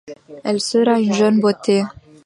Elle sera une jeune beauté.